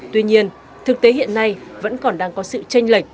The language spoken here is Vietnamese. tuy nhiên thực tế hiện nay vẫn còn đang có sự tranh lệch